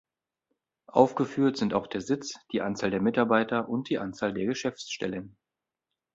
Aufgeführt sind auch der Sitz, die Anzahl der Mitarbeiter und die Anzahl der Geschäftsstellen.